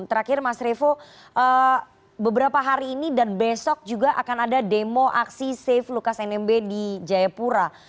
terakhir mas revo beberapa hari ini dan besok juga akan ada demo aksi safe lukas nmb di jayapura